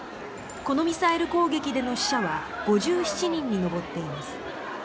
このミサイル攻撃での死者は５７人に上っています。